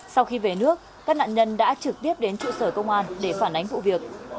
sau khi về nước các nạn nhân đã trực tiếp đến trụ sở công an để phản ánh vụ việc